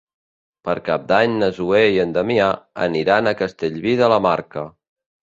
Per Cap d'Any na Zoè i en Damià aniran a Castellví de la Marca.